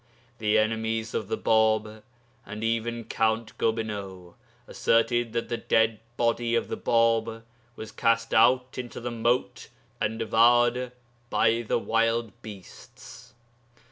The enemies of the Bāb, and even Count Gobineau, assert that the dead body of the Bāb was cast out into the moat and devoured by the wild beasts.